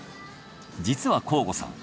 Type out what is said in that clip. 実は向後さん